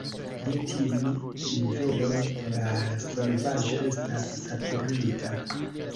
Je tiu nivelo, la solvaĵo estas "saturita".